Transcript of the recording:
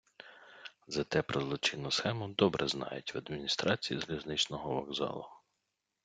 Зате про злочинну схему добре знають в адміністрації залізничного вокзалу.